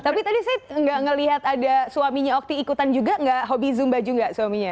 tapi tadi saya gak ngelihat ada suaminya okti ikutan juga gak hobi zumba juga suaminya